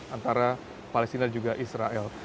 antara palestina dan juga israel